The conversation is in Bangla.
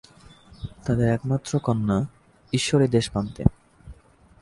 তাঁদের একমাত্র কন্যা ঈশ্বরী দেশপাণ্ডে।